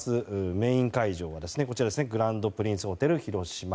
メイン会場はグランドプリンスホテル広島。